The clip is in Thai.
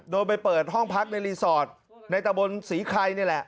ไปเปิดห้องพักในรีสอร์ทในตะบนศรีไข่นี่แหละ